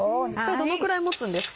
どのぐらい持つんですか？